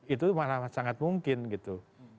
itu malah sangat mungkin gitu